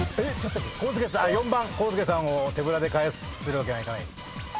４番康介さんを手ぶらで帰らせるわけにはいかない。